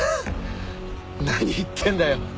何言ってんだよ。